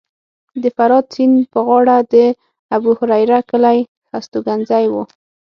د فرات سیند په غاړه د ابوهریره کلی هستوګنځی و